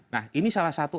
nah ini salah satu